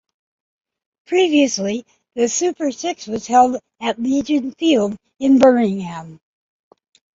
Previously, the Super Six was held at Legion Field in Birmingham.